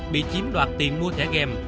bị chiếm đoạt tiền mua thẻ game